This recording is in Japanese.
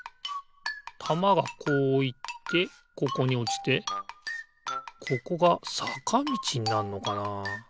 たまがこういってここにおちてここがさかみちになんのかな？